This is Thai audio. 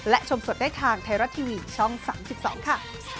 และชมสดได้ทางไทยรัฐทีวีช่อง๓๒ค่ะ